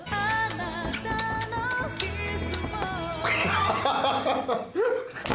ハハハハ！